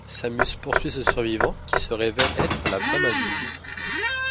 Samus poursuit ce survivant, qui se révèle être la vraie Madeline.